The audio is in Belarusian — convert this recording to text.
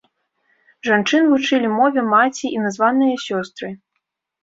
Жанчын вучылі мове маці і названыя сёстры.